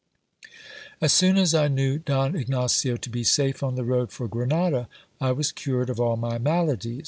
391 As soon as I knew Don Ignacio to be safe on the road for Grenada, I was cured of all my maladies.